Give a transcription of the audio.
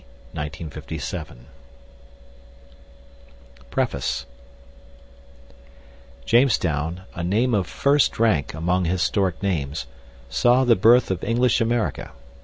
Price 50 cents Preface Jamestown, a name of first rank among historic names, saw the birth of English America.